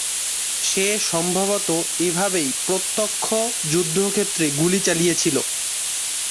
সে সম্ভবত এভাবেই প্রত্যক্ষ যুদ্ধক্ষেত্রে গুলি চালিয়েছিল।